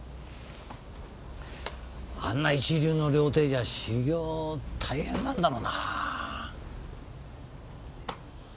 あんな一流の料亭じゃ修業大変なんだろうな。